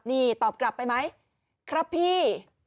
นี่ตอบกลับไปไหมครับพี่